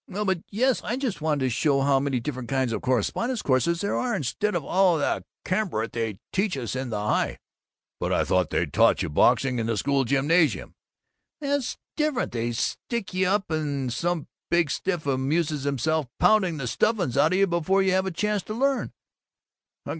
"Well but Yes I just wanted to show how many different kinds of correspondence courses there are, instead of all the camembert they teach us in the High." "But I thought they taught boxing in the school gymnasium." "That's different. They stick you up there and some big stiff amuses himself pounding the stuffin's out of you before you have a chance to learn.